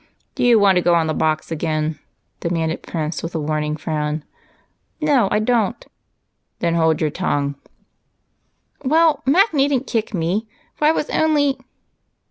"Do you want to go on the box again?" demanded Prince with a warning frown. "No, I don't." "Then hold your tongue." "Well, Mac needn't kick me, for I was only..."